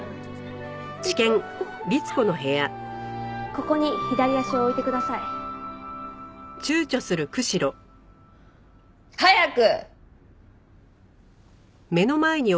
ここに左足を置いてください。早く！